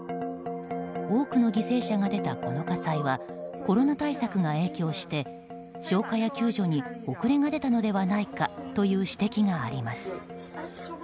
多くの犠牲者が出たこの火災はコロナ対策が影響して消火や救助に遅れが出たのではないかという指摘があります。